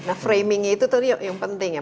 nah framingnya itu tadi yang penting ya